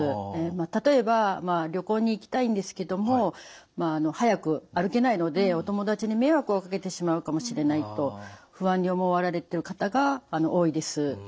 例えば「旅行に行きたいんですけども速く歩けないのでお友達に迷惑をかけてしまうかもしれない」と不安に思われてる方が多いです。